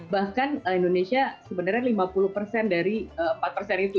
bahkan indonesia sebenarnya lima puluh persen dari empat persen itu